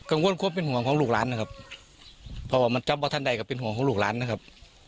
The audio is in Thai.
วนความเป็นห่วงของลูกร้านนะครับเพราะว่ามันจำว่าท่านใดก็เป็นห่วงของลูกร้านนะครับ